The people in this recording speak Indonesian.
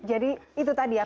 jadi itu tadi ya